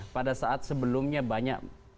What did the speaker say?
pada saat sebelumnya banyak